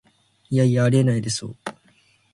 いやいや、ありえないでしょ